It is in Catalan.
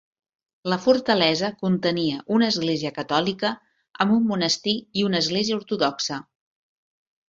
La fortalesa contenia una església catòlica amb un monestir i una església ortodoxa.